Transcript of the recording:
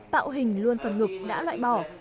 tạo hình luôn phần ngực đã loại bỏ